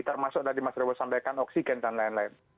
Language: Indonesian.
termasuk tadi mas rewo sampaikan oksigen dan lain lain